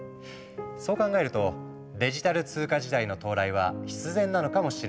そう考えるとデジタル通貨時代の到来は必然なのかもしれないね。